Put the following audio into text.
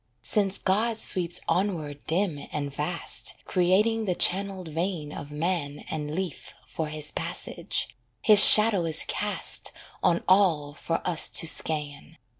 Since God sweeps onward dim and vast, Creating the channelled vein of Man And Leaf for His passage, His shadow is cast On all for us to scan.